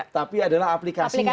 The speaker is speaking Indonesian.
tapi adalah aplikasinya